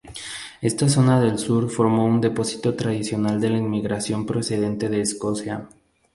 Esta zona del sur formó un depósito tradicional de la inmigración procedente de Escocia.